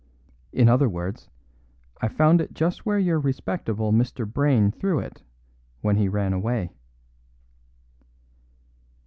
In other words, I found it just where your respectable Mr. Brayne threw it when he ran away."